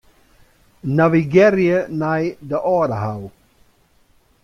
Navigearje nei de Aldehou.